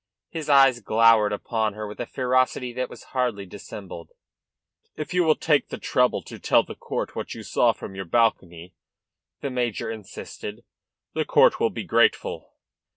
His eyes glowered upon her with a ferocity that was hardly dissembled. "If you will take the trouble to tell the court what you saw from your balcony," the major insisted, "the court will be grateful."